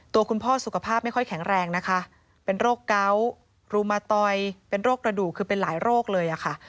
ตัวคุณพ่อสุขภาพไม่ค่อยแข็งแรงนะคะเป็นโรคเกาะรูมาตอยเป็นโรคกระดูกคือเป็นหลายโรคเลยค่ะ